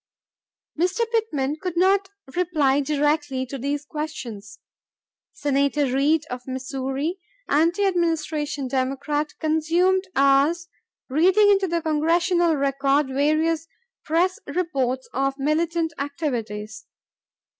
Mr. Pittman did not reply directly to these questions. Senator Reed of Missouri, anti Administration Democrat, consumed hours reading into the Congressional Record various press reports of militant activities.